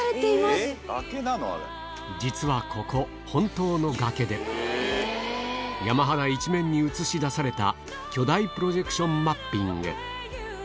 実はここ本当の崖で山肌一面に映し出された巨大プロジェクションマッピング